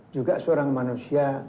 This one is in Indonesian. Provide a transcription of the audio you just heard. juga seorang manusia